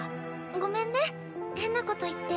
ごめんね変なこと言って。